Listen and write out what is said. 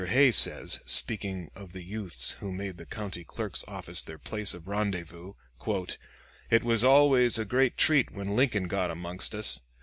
Hay says, speaking of the youths who made the County Clerk's office their place of rendezvous, "It was always a great treat when Lincoln got amongst us.